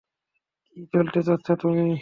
কী বলতে চাচ্ছ তুমি?